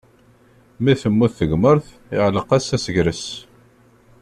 Mi temmut tegmert, iɛalleq-as asegres.